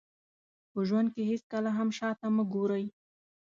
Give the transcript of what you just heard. په ژوند کې هېڅکله هم شاته مه ګورئ.